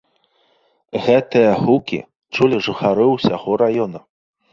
Гэтыя гукі чулі жыхары ўсяго раёна.